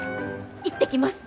行ってきます。